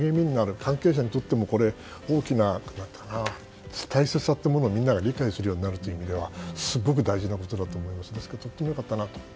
関係者にとっても大きな大切さというのをみんなが理解するようになるという意味ではすごく大事なことだと思います。